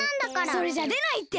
それじゃでないって！